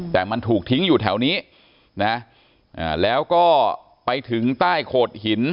แต่มันถูกทิ้งอยู่แถวนี้นะแล้วก็ไปถึงใต้โขดหิน